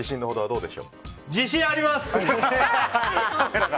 自信あります！